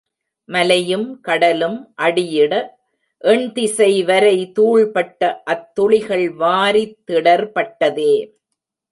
மலையும் கடலும் அடியிட எண் திசைவரை தூள்பட்ட அத்துளிகள் வாரி திடர்பட்டதே.